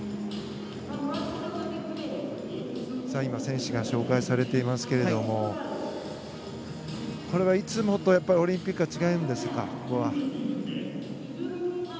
今、選手が紹介されていますがこれはいつもとオリンピックは違うんですか？